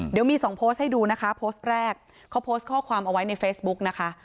เดี๋ยวมีสองโพสต์ให้ดูนะคะโพสต์แรกเขาโพสต์ข้อความเอาไว้ในเฟซบุ๊กนะคะ